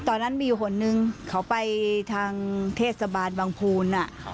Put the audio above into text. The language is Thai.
ตอนนั้นมีอยู่คนนึงเขาไปทางเทศบาลบางภูน